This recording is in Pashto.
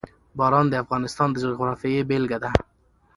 باران د افغانستان د جغرافیې بېلګه ده.